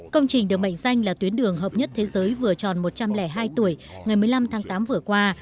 công trình được mệnh danh là tuyến đường hợp nhất thế giới vừa tròn một trăm linh hai tuổi ngày một mươi năm tháng tám vừa qua